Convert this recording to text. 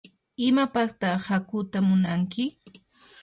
¿imapataq hakuuta munanki?